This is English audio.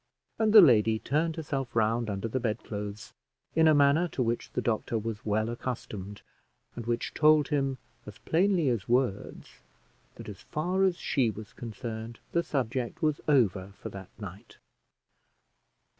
And the lady turned herself round under the bed clothes, in a manner to which the doctor was well accustomed, and which told him, as plainly as words, that as far as she was concerned the subject was over for that night.